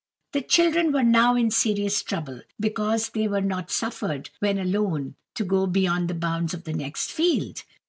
The children were now in serious trouble, because they were not suffered, when alone, to go beyond the bounds of the next field.